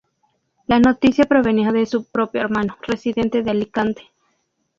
La noticia provenía de su propio hermano, residente en Alicante.